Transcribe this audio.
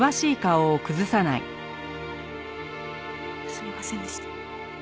すみませんでした。